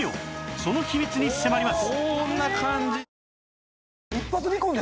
その秘密に迫ります